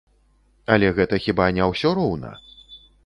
Але гэта хіба не ўсё роўна?